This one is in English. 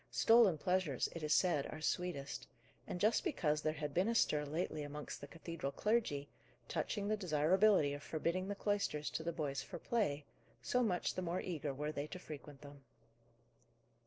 Stolen pleasures, it is said, are sweetest; and, just because there had been a stir lately amongst the cathedral clergy, touching the desirability of forbidding the cloisters to the boys for play, so much the more eager were they to frequent them.